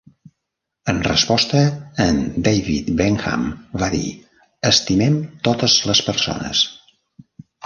En resposta, en David Benham va dir: "Estimem totes les persones".